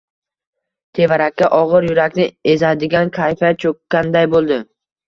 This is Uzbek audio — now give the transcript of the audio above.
Tevarakka ogʻir, yurakni ezadigan kayfiyat choʻkkanday boʻldi.